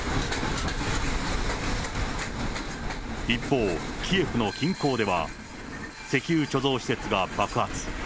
一方、キエフの近郊では、石油貯蔵施設が爆発。